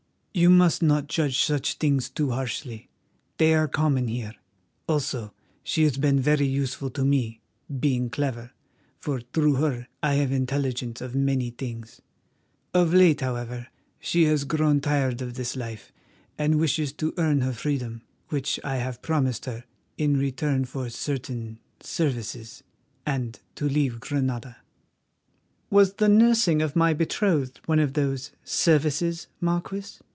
You must not judge such things too harshly; they are common here. Also, she has been very useful to me, being clever, for through her I have intelligence of many things. Of late, however, she has grown tired of this life, and wishes to earn her freedom, which I have promised her in return for certain services, and to leave Granada." "Was the nursing of my betrothed one of those services, Marquis?"